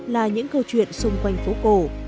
là những câu chuyện xung quanh phố cổ